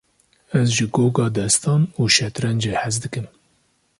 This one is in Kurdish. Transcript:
Ez ji goga destan û şetrencê hez dikim.